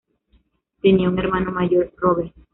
Tenían un hermano mayor, Robert.